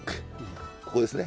ここですね？